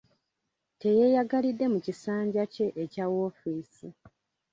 Teyeeyagalidde mu kisanja kye ekya woofiisi.